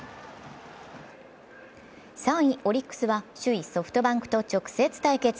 ３位・オリックスは首位・ソフトバンクと直接対決。